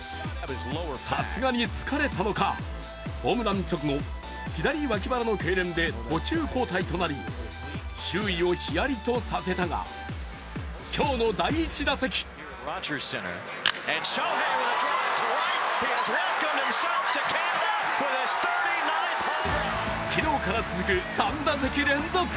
さすがに疲れたのかホームラン直後、左脇腹のけいれんで途中交代となり、周囲をひやりとさせたが今日の第１打席昨日から続く３打席連続。